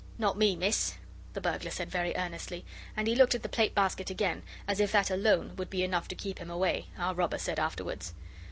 'Not me, miss,' the burglar said very earnestly, and he looked at the plate basket again, as if that alone would be enough to keep him away, our robber said afterwards.